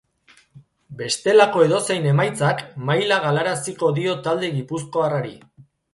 Bestelako edozein emaitzak, maila galaraziko dio talde gipuzkoarrari.